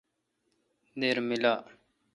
دیر میلا۔